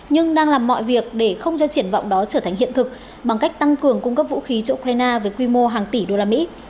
nhưng đang làm mọi việc để không cho triển vọng đó trở thành hiện thực bằng cách tăng cường cung cấp vũ khí cho ukraine với quy mô hàng tỷ đô la mỹ